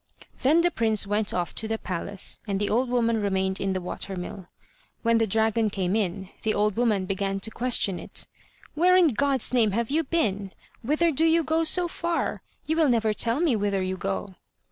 Then the prince went off to the palace, and the old woman remained in the water mill. When the dragon came in, the old woman began to question it: "Where in God's name have you been? Whither do you go so far? You will never tell me whither you go."